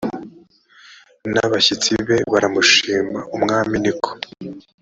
n abashyitsi be baramushima umwami ni ko